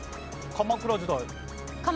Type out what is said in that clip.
鎌倉時代。